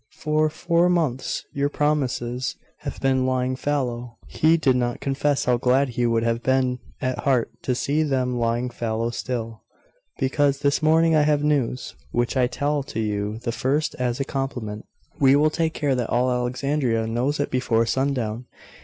For four months your promises have been lying fallow.' She did not confess how glad she would have been at heart to see them lying fallow still. 'Because This morning I have news; which I tell to you the first as a compliment. We will take care that all Alexandria knows it before sundown.